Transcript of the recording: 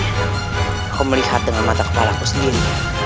aku melihat dengan mata kepala ku sendiri